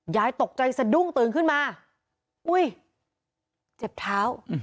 ยายตกใจสะดุ้งตื่นขึ้นมาอุ้ยเจ็บเท้า